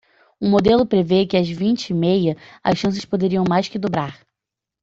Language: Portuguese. O modelo prevê que, às vinte e meia, as chances poderiam mais que dobrar.